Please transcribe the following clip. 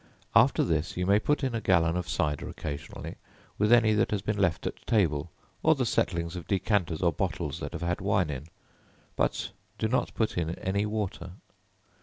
After this, you may put in a gallon of cider occasionally, with any that has been left at table, or the settlings of decanters or bottles that have had wine in, but do not put in any water.